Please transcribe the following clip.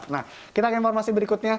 nah kita ke informasi berikutnya